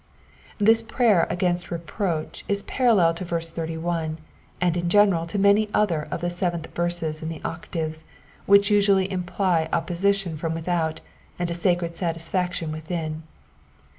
This prayer against reproach is parallel to verse 81, and in general to many other of the seventh verses in the octaves, which usually imply oppo sition from without and a sacred satisfaction within.